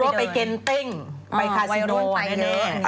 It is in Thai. รู้โร่ไปเก็นเต้งไปคาซิโดนอะ